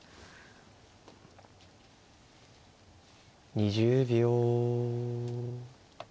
２０秒。